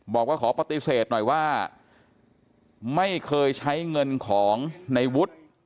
บอกว่าขอปฏิเสธหน่อยว่าไม่เคยใช้เงินของในวุฒิ